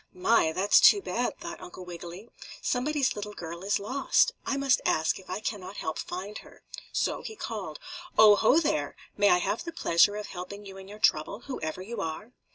"My! That's too bad," thought Uncle Wiggily. "Somebody's little girl is lost. I must ask if I cannot help find her." So he called: "Oh, ho, there! May I have the pleasure of helping you in your trouble, whoever you are?"